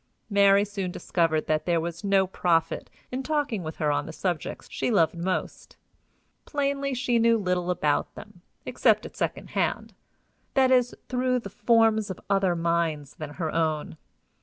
Mary soon discovered that there was no profit in talking with her on the subjects she loved most: plainly she knew little about them, except at second hand that is, through the forms of other minds than her own.